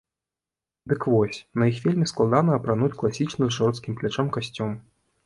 Дык вось, на іх вельмі складана апрануць класічны з жорсткім плячом касцюм.